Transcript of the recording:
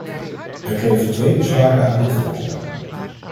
Er kleven twee bezwaren aan dit voorstel.